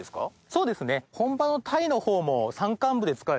そうですね。